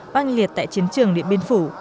băng liệt tại chiến trường điện biên phủ